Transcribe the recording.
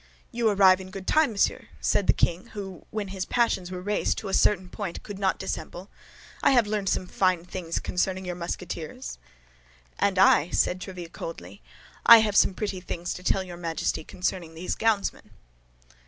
"You arrive in good time, monsieur," said the king, who, when his passions were raised to a certain point, could not dissemble; "I have learned some fine things concerning your Musketeers." "And I," said Tréville, coldly, "I have some pretty things to tell your Majesty concerning these gownsmen."